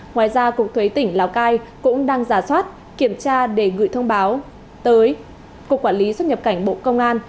ngoài ra cục thuế tỉnh lào cai cũng đang giả soát kiểm tra để gửi thông báo tới cục quản lý xuất nhập cảnh bộ công an